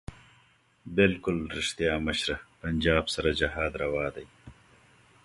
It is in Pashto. بلکل ريښتيا مشره پنجاب سره جهاد رواح دی